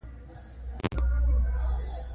ولې نه د نکريزو په شپه به مينه افغاني کالي اغوندي.